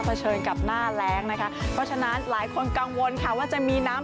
เฉินกับหน้าแรงนะคะเพราะฉะนั้นหลายคนกังวลค่ะว่าจะมีน้ำ